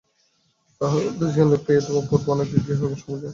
তাদের উপদেশ ও জ্ঞানালোক পেয়েই পূর্বে অনেক সময়ে গৃহীরা জীবনসংগ্রামে কৃতকার্য হয়েছিল।